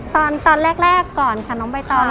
ตอนแรกก่อนค่ะน้องใบตอง